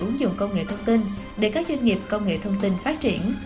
ứng dụng công nghệ thông tin để các doanh nghiệp công nghệ thông tin phát triển